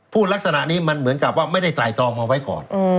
ลักษณะนี้มันเหมือนกับว่าไม่ได้ไตรตรองเอาไว้ก่อน